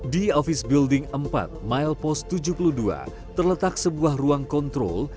di office building empat milepost tujuh puluh dua terletak sebuah ruang kontrol